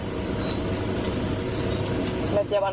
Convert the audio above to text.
น้องได้ไปกับหนูไหม